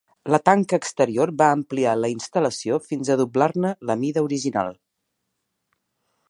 La tanca exterior va ampliar la instal·lació fins a doblar-ne la mida original.